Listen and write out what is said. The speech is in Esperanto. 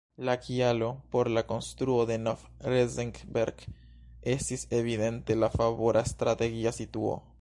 La kialo por la konstruo de Nov-Regensberg estis evidente la favora strategia situo.